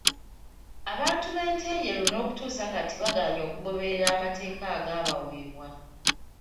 Abantu b'e Ntenjeru n'okutuusa kati bagaanye okugoberera amateeka agaabaweebwa.